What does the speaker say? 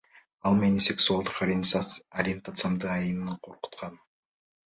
Ал мени сексуалдык ориентациямдын айынан коркуткан.